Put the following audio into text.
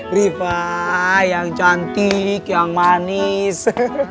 riva yang cantik yang manis